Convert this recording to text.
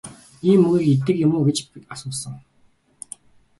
Ийм мөөгийг иддэг юм гэж үү гэж асуусан.